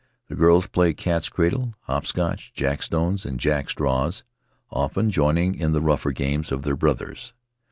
The girls play cat's cradle, hopscotch, jackstones, and jackstraws — often joining in the rougher games of their brothers.